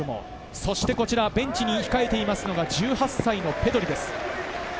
そしてこちらベンチに控えているのが１８歳のペドリです。